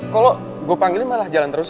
kok lo gue panggilin malah jalan terus